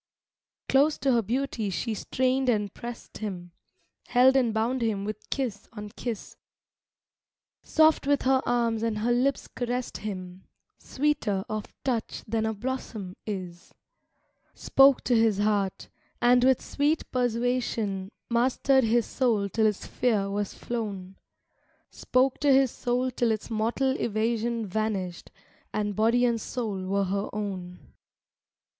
V Close to her beauty she strained and pressed him, Held and bound him with kiss on kiss; Soft with her arms and her lips caressed him, Sweeter of touch than a blossom is. Spoke to his heart, and with sweet persuasion Mastered his soul till its fear was flown; Spoke to his soul till its mortal evasion Vanished, and body and soul were her own.